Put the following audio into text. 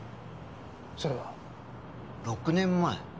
それは？６年前？